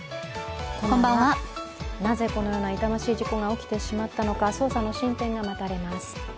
なぜこのような痛ましい事故が起きてしまったのか捜査の進展が待たれます。